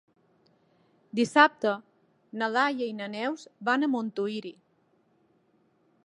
Dissabte na Laia i na Neus van a Montuïri.